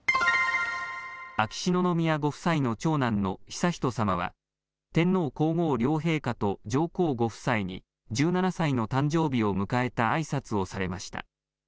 秋篠宮ご夫妻の長男の悠仁さまは天皇皇后両陛下と上皇ご夫妻に１７歳の誕生日を迎えたあいさつをされました。